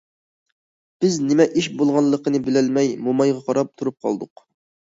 بىز نېمە ئىش بولغانلىقىنى بىلەلمەي، مومايغا قاراپ تۇرۇپ قالدۇق.